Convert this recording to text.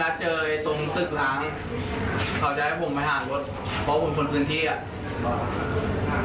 เขาจะให้ผมไปหารถเพราะผมคืนที่